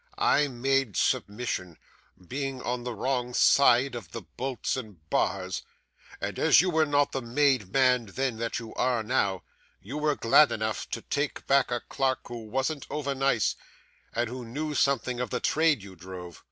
'I made submission, being on the wrong side of the bolts and bars; and as you were not the made man then that you are now, you were glad enough to take back a clerk who wasn't over nice, and who knew something of the trade you drove.